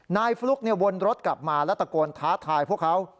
ฟลุ๊กวนรถกลับมาและตะโกนท้าทายพวกเขา